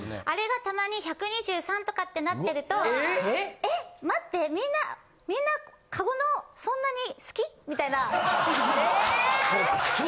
あれがたまに１２３とかってなってると、えっ、待って、みんな、加護のそんなに好き？みたいな。